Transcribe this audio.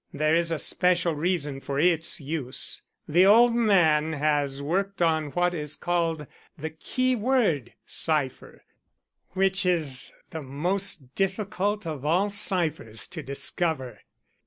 There is a special reason for its use. The old man has worked on what is called the keyword cipher, which is the most difficult of all ciphers to discover.